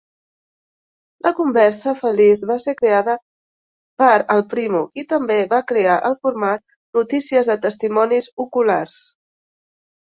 La conversa feliç va ser creada per Al Primo, qui també va crear el format "Notícies de testimonis oculars".